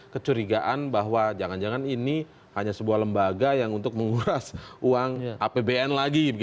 kecurigaan bahwa jangan jangan ini hanya sebuah lembaga yang untuk menguras uang apbn lagi